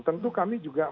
tentu kami juga